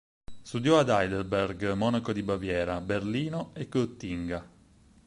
Studiò a Heidelberg, Monaco di Baviera, Berlino e Gottinga.